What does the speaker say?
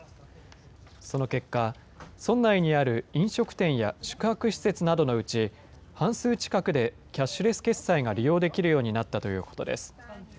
その結果、村内にある飲食店や宿泊施設などのうち、半数近くでキャッシュレス決済が利用できるようになったということです。